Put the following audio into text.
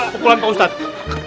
pukulan pak ustadz